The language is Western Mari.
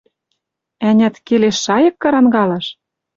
Ӓнят, келеш шайык карангалаш?